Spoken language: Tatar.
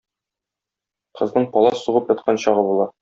Кызның палас сугып яткан чагы була.